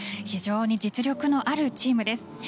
非常に実力のあるチームです。